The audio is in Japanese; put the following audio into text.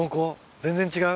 全然違う？